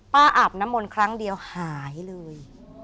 อาบน้ำมนต์ครั้งเดียวหายเลย